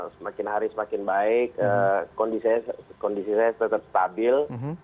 semakin hari semakin baik kondisinya tetap stabil